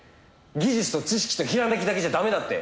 技術と知識とひらめきだけじゃ駄目だって。